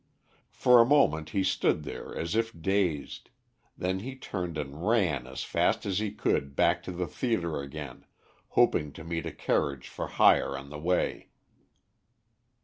For a moment he stood there as if dazed, then he turned and ran as fast as he could, back to the theatre again, hoping to meet a carriage for hire on the way.